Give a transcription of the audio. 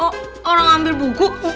oh orang ambil buku